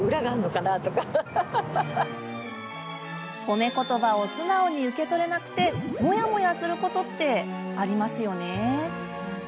褒め言葉を素直に受け取れなくてモヤモヤすることってありますよね？